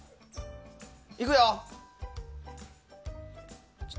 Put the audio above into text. いくよ。